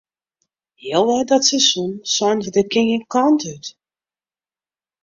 Healwei dat seizoen seinen we dit kin gjin kant út.